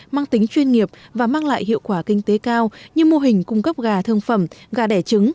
mang tính chuyên nghiệp và mang lại hiệu quả kinh tế cao như mô hình cung cấp gà thương phẩm gà đẻ trứng